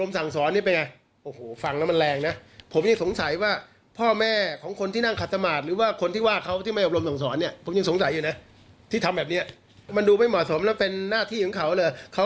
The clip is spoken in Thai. มีโทษจำคุกสองปีนะครับ